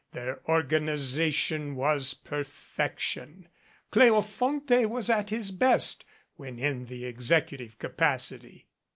Their organization was perfection. Cleofonte was at his best when in the executive capacity.